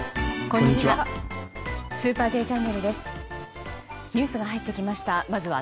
こんにちは。